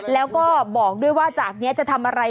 แล้วก็บอกด้วยว่าจากนี้จะทำอะไร